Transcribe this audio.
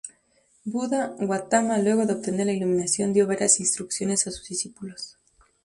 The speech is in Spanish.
Buda Gautama luego de obtener la iluminación dio varias instrucciones a sus discípulos.